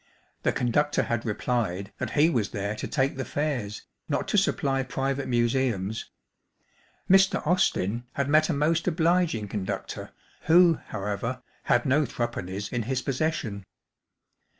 The conductor had replied that he was there to take the fares', not to supply private museums. Mr. Austin had met a most obliging conductor, who, however, had no three pennies in his possession.